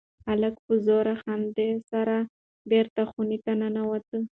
هلک په زوره خندا سره بېرته خونې ته ننوت.